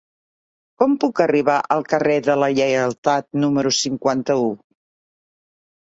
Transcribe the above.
Com puc arribar al carrer de la Lleialtat número cinquanta-u?